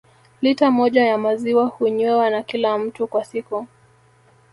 Lita moja ya maziwa hunywewa na kila mtu kwa siku